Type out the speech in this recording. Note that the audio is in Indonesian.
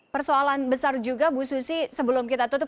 persoalan besar juga musuh sih sebelum kita tutup